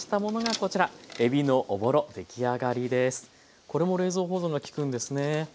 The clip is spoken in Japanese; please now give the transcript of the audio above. これも冷蔵保存が利くんですね。